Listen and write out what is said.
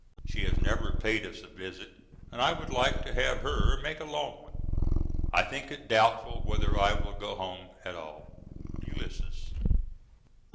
She has never paid us a visit and I would like to have her make a long one. I think it doubtful whether I will go home at all. ULYSSES.